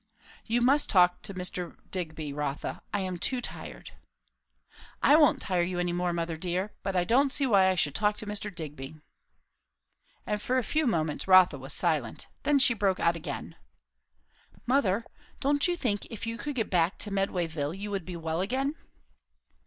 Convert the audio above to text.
"You must talk to Mr. Digby, Rotha. I am too tired." "I won't tire you any more, mother dear! But I don't see why I should talk to Mr. Digby." And for a few moments Rotha was silent. Then she broke out again. "Mother, don't you think if you could get back to Medwayville you would be well again?"